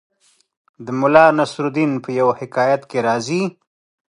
د ملا نصرالدین په یوه حکایت کې راځي